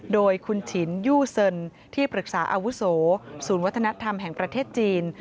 โดยคุณฉินยู่เซินที่ปรึกษาอาวุโสศูนย์วัฒนธรรมแห่งประเทศจีน